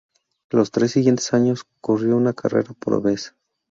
Los tres siguientes años, corrió una carrera por vez.